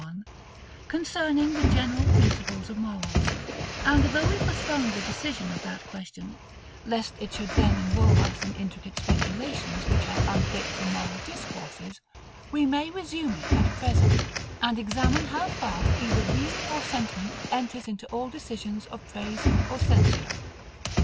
1.] concerning the general principles of morals; and though we postponed the decision of that question, lest it should then involve us in intricate speculations, which are unfit for moral discourses, we may resume it at present, and examine how far either REASON or SENTIMENT enters into all decisions of praise or censure.